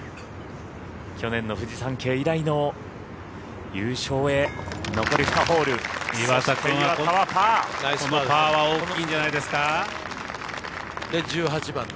去年のフジサンケイ以来の優勝へパーは大きいんじゃないですか。